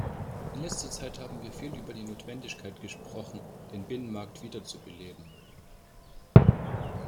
In letzter Zeit haben wir viel über die Notwendigkeit gesprochen, den Binnenmarkt wiederzubeleben.